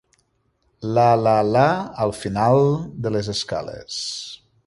La, la, la, al final de les escales.